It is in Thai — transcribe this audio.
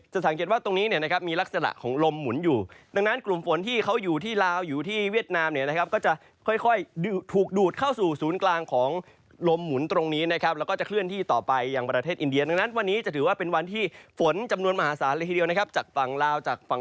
สังเกตว่าตรงนี้เนี่ยนะครับมีลักษณะของลมหมุนอยู่ดังนั้นกลุ่มฝนที่เขาอยู่ที่ลาวอยู่ที่เวียดนามเนี่ยนะครับก็จะค่อยถูกดูดเข้าสู่ศูนย์กลางของลมหมุนตรงนี้นะครับแล้วก็จะเคลื่อนที่ต่อไปยังประเทศอินเดียดังนั้นวันนี้จะถือว่าเป็นวันที่ฝนจำนวนมหาศาลเลยทีเดียวนะครับจากฝั่งลาวจากฝั่ง